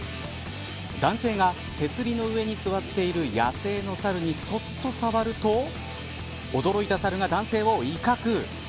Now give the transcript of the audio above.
男性が手すりの上に座っている野生のサルにそっとさわると驚いたサルが男性を威嚇。